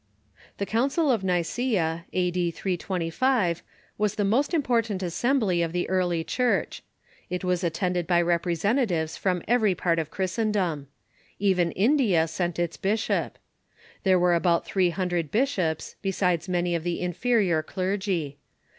The Council of Nicaea, a.d. 325, was the most important as sembly of the Early Church. It was attended by representatives from every part of Christendom. Even India sent its *^°'J[!'^'' °' bishop. There were about three hundred bishops, be sides many of the inferior clergy.